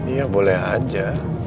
iya boleh aja